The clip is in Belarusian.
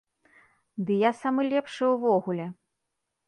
Ды я самы лепшы ўвогуле!